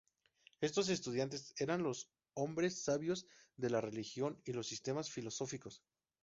Estos estudiantes eran los hombres sabios de la religión y los sistemas filosóficos.